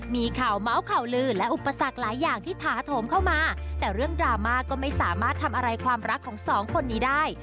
มีข่าวเมาส์ข่าวลือและอุปสรรคหลายอย่างที่ถาโถมเข้ามาแต่เรื่องดราม่าก็ไม่สามารถทำอะไรความรักของสองคนนี้ได้